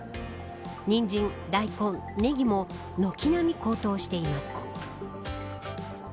ニンジン、大根、ネギも軒並み高騰しています。